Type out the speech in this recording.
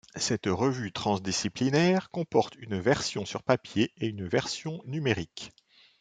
Cette revue transdisciplinaire comporte une version sur papier et une version numérique.